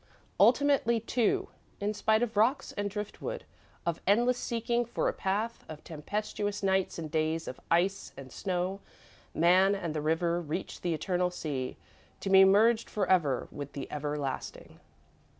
Ultimately, too, in spite of rocks and driftwood, of endless seeking for a path, of tempestuous nights and days of ice and snow, man and the river reach the eternal sea, to be merged forever with the Everlasting.